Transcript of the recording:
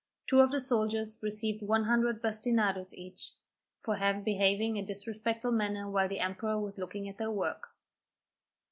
Two of the soldiers received one hundred bastinadoes each, for behaving in a disrespectful manner while the emperor was looking at their work.